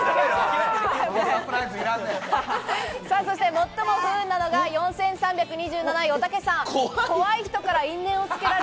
最も不運なのが４３２７位おたけさん。